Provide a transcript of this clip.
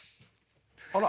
あら。